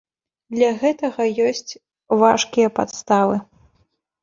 Для гэтага ёсць важкія падставы.